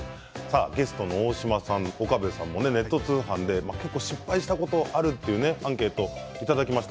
ゲストの大島さん、岡部さんネット通販で失敗したことがあるというアンケートをいただきました。